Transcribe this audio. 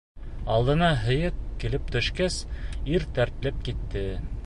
Алдына һөйәк килеп төшкәс, ир тертләп китте.